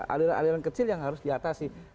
aliran aliran kecil yang harus diatasi